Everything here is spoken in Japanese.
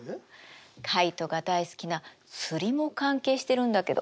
カイトが大好きな釣りも関係してるんだけど。